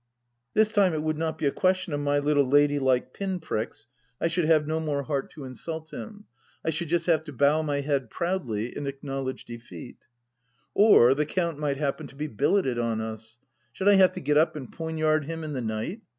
This time it would not be a ques tion of my little ladylike pin pricks — ^I should have no more heart to insult him. I should just have to bow my head proudly, and acknowledge defeat. ... Or the Coimt might happen to be billeted on us. Should I have to get up and poignard him in the night